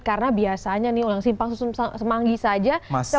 karena biasanya nih ulang simpang susun semanggi saja